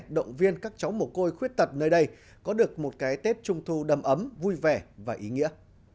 động viên các cháu mồ côi khuyết tật nơi đây có được một cái tết trung thu đầm ấm vui vẻ và ý nghĩa